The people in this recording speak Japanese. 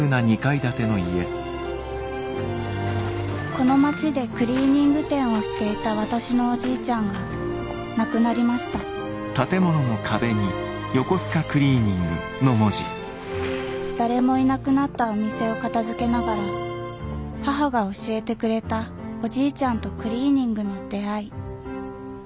この町でクリーニング店をしていた私のおじいちゃんが亡くなりました誰もいなくなったお店を片づけながら母が教えてくれたおじいちゃんとクリーニングの出会い。